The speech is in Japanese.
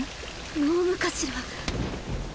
脳無かしら？